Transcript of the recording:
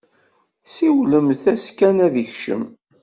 Siwlemt-as kan ad d-ikcem!